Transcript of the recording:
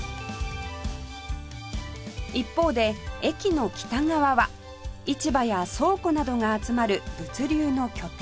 一方で駅の北側は市場や倉庫などが集まる物流の拠点